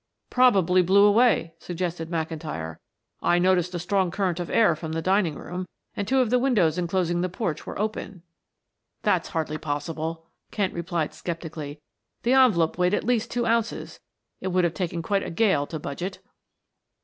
"Probably blew away," suggested McIntyre. "I noticed a strong current of air from the dining room, and two of the windows inclosing the porch were open. "That's hardly possible," Kent replied skeptically. "The envelope weighed at least two ounces; it would have taken quite a gale to budge it."